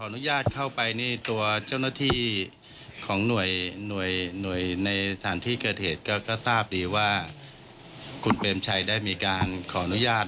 ในสถานที่เกิดเหตุก็ทราบดีว่าคุณเบมชัยได้มีการขออนุญาต